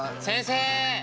先生。